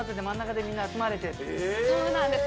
そうなんです。